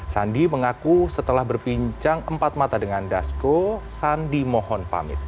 sandi mengaku setelah berbincang empat mata dengan dasko sandi mohon pamit